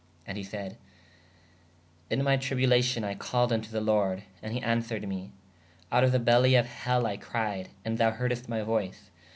¶ And he sayde: in my tribulacion I called vn to the lorde/ and he answered me: out of the bely of hell I cried/ ād thou herdest my voyce.